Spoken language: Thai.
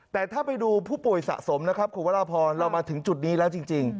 แต่ถ้าไปดูผู้ป่วยสะสมนะครับคุณวรพรเรามาถึงจุดนี้แล้วจริง